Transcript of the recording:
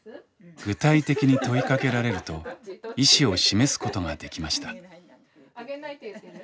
具体的に問いかけられると意思を示すことができました。